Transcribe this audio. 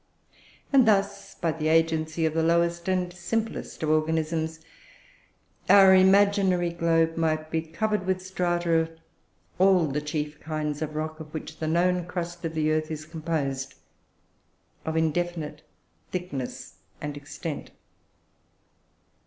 And thus, by the agency of the lowest and simplest of organisms, our imaginary globe might be covered with strata, of all the chief kinds of rock of which the known crust of the earth is composed, of indefinite thickness and extent.